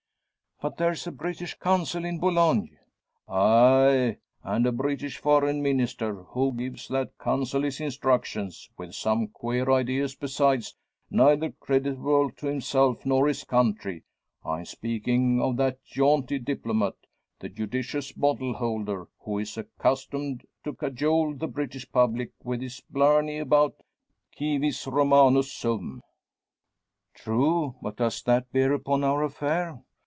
"But there's a British Consul in Boulogne." "Aye, and a British Foreign Minister, who gives that Consul his instructions; with some queer ideas besides, neither creditable to himself nor his country. I'm speaking of that jaunty diplomat the `judicious bottle holder,' who is accustomed to cajole the British public with his blarney about `Civis Romanus sum.'" "True, but does that bear upon our affair?"